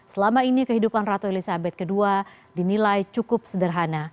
selama ini kehidupan ratu elizabeth ii dinilai cukup sederhana